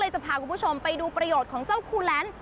จะพาคุณผู้ชมไปดูประโยชน์ของเจ้าคูแลนซ์